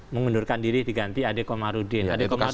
mengundurkan diri diganti adekomarudin